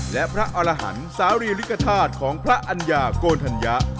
และพระอรหันต์สารีริกฐาตุของพระอัญญาโกนธัญญะ